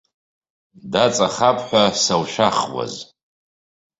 Даҵахап ҳәа саушәахуаз.